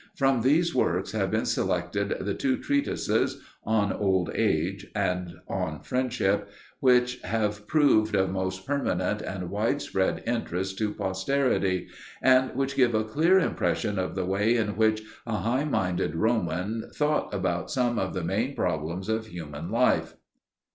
From these works have been selected the two treatises, on Old Age and on Friendship, which have proved of most permanent and widespread interest to posterity, and which give a clear impression of the way in which a high minded Roman thought about some of the main problems of human life.